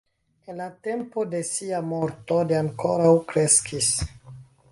En la tempo de sia morto li ankoraŭ kreskis.